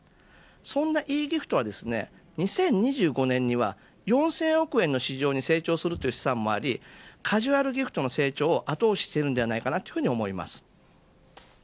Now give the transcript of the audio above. そのｅギフトは２０２５年には４０００億円の市場に成長するという試算もありカジュアルギフトの成長を後押ししているのではないかと思います。